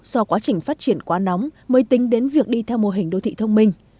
do quá trình phát triển quá nóng mới tính đến việc đi theo mô hình đô thị thông minh